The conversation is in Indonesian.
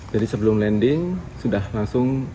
jadi sebelum landing sudah langsung